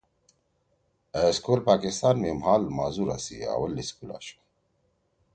أ سکول پاکستان می مھال معذُورا سی اوّل سکول آشُو